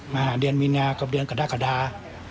มาหาเดือนมีนากับเดือนกรกฎา